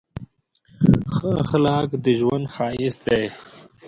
ښه اخلاق د ژوند ښایست دی.